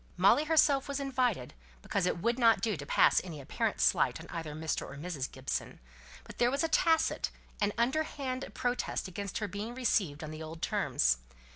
Molly herself was invited, because it would not do to pass any apparent slight on either Mr. or Mrs. Gibson; but there was a tacit and underhand protest against her being received on the old terms.